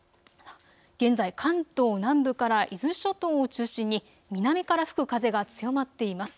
現在、関東南部から伊豆諸島を中心に南から吹く風が強まっています。